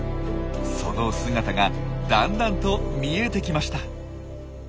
その姿がだんだんと見えてきました。